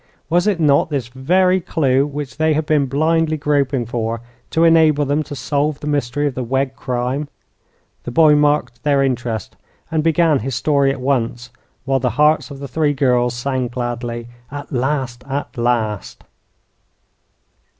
Was it not this very clue which they had been blindly groping for to enable them to solve the mystery of the Wegg crime? The boy marked their interest, and began his story at once, while the hearts of the three girls sang gladly: "At last at last!"